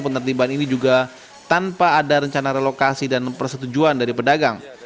penertiban ini juga tanpa ada rencana relokasi dan persetujuan dari pedagang